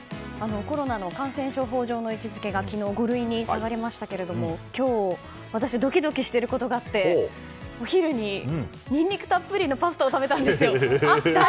コロナの感染症法上の位置づけが昨日、５類に下がりましたが今日、私ドキドキしていることがあってお昼に、ニンニクたっぷりのパスタを食べたんですよ。